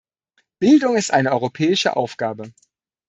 Bildung ist eine europäische Aufgabe.